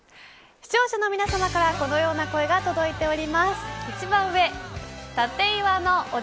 視聴者の皆さまからこのような声が届いております。